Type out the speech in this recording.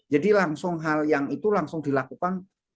jadi langsung hal yang itu langsung dilakukan